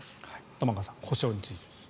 玉川さん、補償について。